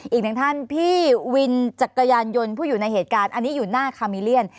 อีกหนึ่งท่านพี่วินจักรยานยนต์ผู้อยู่ในเหตุการณ์อันนี้อยู่หน้าคามิเลียน